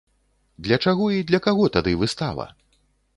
Для чаго і для каго тады выстава?